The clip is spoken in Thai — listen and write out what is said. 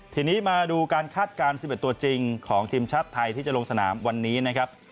ทีนี้มาดูการคาดการณ์๑๑ตัวจริงของทีมชาติไทยที่จะลงสนามวันนี้นะครับ